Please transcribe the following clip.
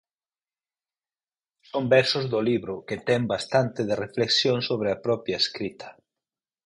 Son versos do libro, que ten bastante de reflexión sobre a propia escrita.